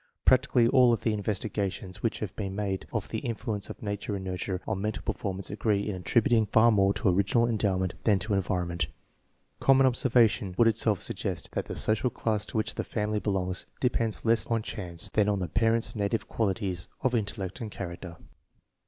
Practically all of the investigations which have been made of the influence of nature and nurture on mental performance agree in attributing far more to original en dowment than to environment. Common observation would itself suggest that the social class to which the family belongs depends less on chance than on the parents' native qualities of intellect and character.